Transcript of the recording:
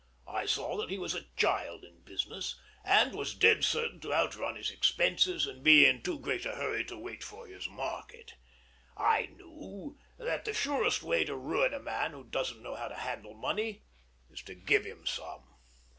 I saw that he was a child in business, and was dead certain to outrun his expenses and be in too great a hurry to wait for his market. I knew that the surest way to ruin a man who doesn't know how to handle money is to give him some.